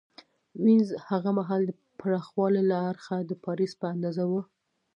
وینز هغه مهال د پراخوالي له اړخه د پاریس په اندازه و